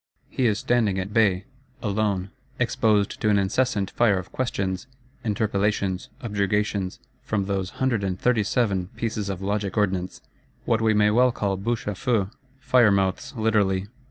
He is standing at bay: alone; exposed to an incessant fire of questions, interpellations, objurgations, from those "hundred and thirty seven" pieces of logic ordnance,—what we may well call bouches à feu, fire mouths literally!